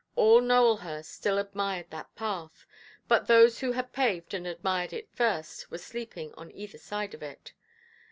All Nowelhurst still admired that path; but those who had paved and admired it first were sleeping on either side of it.